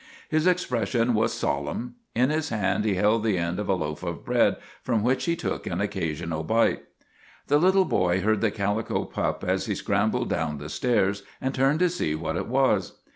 His expression was solemn. In his hand he held the end of a loaf of bread from which he took an occasional bite. The little boy heard the calico pup as he scrambled down the stairs, and turned to see what it was.